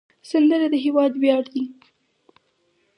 سندره د هیواد ویاړ دی